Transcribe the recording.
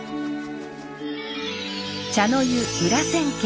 「茶の湯裏千家」。